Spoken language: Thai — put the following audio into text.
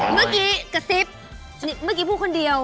เมื่อกี้กระซิบเมื่อกี้พูดคนเดียว